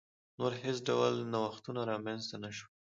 نور هېڅ ډول نوښتونه رامنځته نه شول.